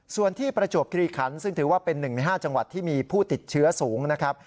ส่วนที่ประจวบคิริขันซึ่งถือว่าเป็น๑ใน๕จังหวัดที่มีผู้ติดเชื้อสูงนะครับ